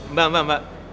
mbak mbak mbak